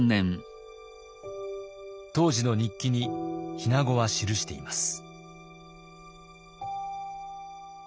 当時の日記に日名子は記しています。